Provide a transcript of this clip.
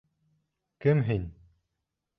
— Кем һин?